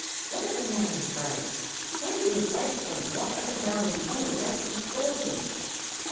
"Look at them now!" he cried. "Why do those largest ones walk up and down in front of the rest and scold them?"